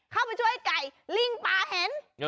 เข้าไปช่วยไก่ลิงปลาเห็น